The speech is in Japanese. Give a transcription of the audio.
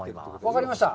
分かりました。